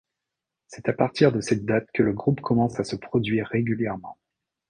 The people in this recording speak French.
C'est à partir de cette date que le groupe commence à se produire régulièrement.